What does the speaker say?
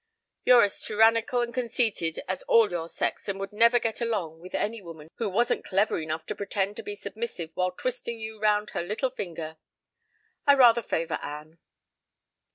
You're as tyrannical and conceited as all your sex and would never get along with any woman who wasn't clever enough to pretend to be submissive while twisting you round her little finger. I rather favor Anne."